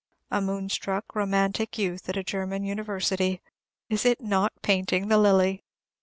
A moonstruck, romantic youth at a German University. Is it not painting the lily?